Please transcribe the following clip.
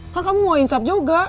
kan kamu mau insap juga